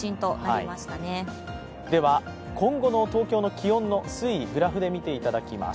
今後の東京の気温の推移をグラフで見ていただきます。